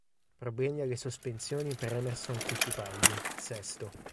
Problemi alle sospensioni per Emerson Fittipaldi, sesto.